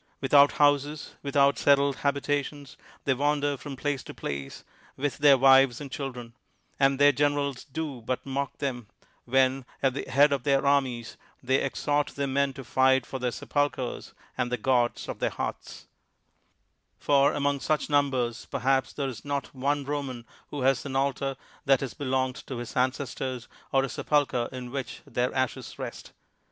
Without houses, without settled habitations, they wander from place to place with their wives and children; and their generals do but mock them when, at the head of their armies, they ex hort their men to fight for their sepulchers and the gods of their hearths : for among such num bers, perhaps there is not one Roman who has an altar that has belonged to his ancestors, or a sepulcher in which their ashes rest.